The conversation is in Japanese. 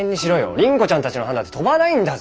倫子ちゃんたちの班だって飛ばないんだぞ。